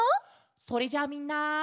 それじゃあみんな。